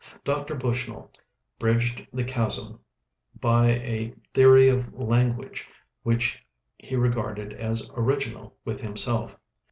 Dr. Bushnell bridged the chasm by a theory of language which he regarded as original with himself.